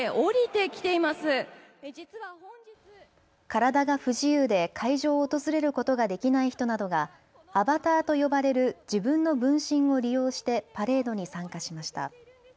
体が不自由で会場を訪れることができない人などがアバターと呼ばれる自分の分身を利用してパレードに参加しました。